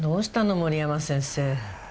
森山先生。